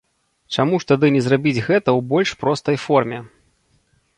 Чаму ж тады не зрабіць гэта ў больш простай форме?